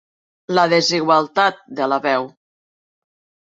La desigualtat de la veu.